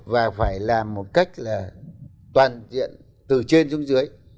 và phải làm một cách là toàn diện từ trên xuống dưới